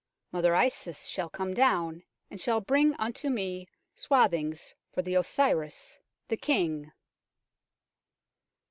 Mother Isis shall come down, and shall bring unto me swathings for the Osiris, the King."